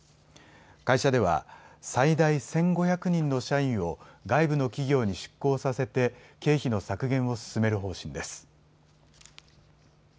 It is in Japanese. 会社では最大１５００人の社員を外部の企業に出向させて経費の削減を進める方針です。